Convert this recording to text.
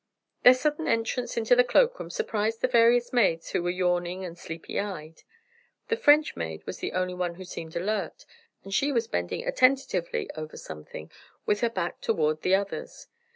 Their sudden entrance into the cloakroom surprised the various maids who were yawning and sleepy eyed. The French maid was the only one who seemed alert, and she was bending attentively over something, with her back toward the others.